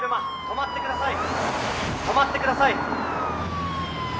とまってください！